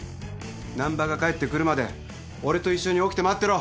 難破が帰ってくるまで俺と一緒に起きて待ってろ。